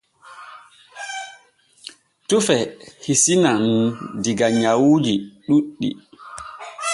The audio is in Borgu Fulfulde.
Tufe hisinan diga nyawuuji ɗuuɗɗi.